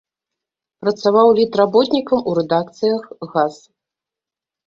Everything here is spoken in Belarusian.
Працаваў літработнікам у рэдакцыях газ.